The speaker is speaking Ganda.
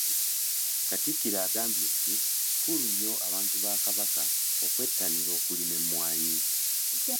Katikkiro agamba nti kikulu nnyo abantu ba Kabaka okwettanira okulima emmwanyi.